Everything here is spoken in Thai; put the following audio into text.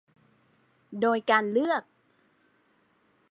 โดยการเลือก